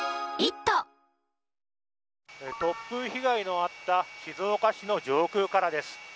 突風被害のあった静岡市の上空からです。